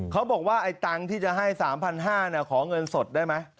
เขาบอกว่าไอ้ตังค์ที่จะให้๓๕๐๐บาทขอเงินสดได้ไหม